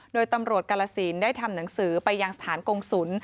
โดยตำรวจกาลสินได้ทำหนังสือไปยังสถานกงศุล